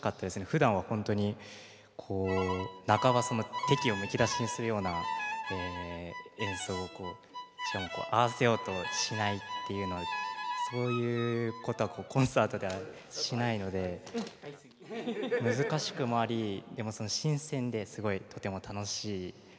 ふだんはほんとにこう半ばその敵意をむき出しにするような演奏をこうしかも合わせようとしないっていうのはそういうことはコンサートではしないので難しくもありでも新鮮ですごいとても楽しいシーンの収録でもありました。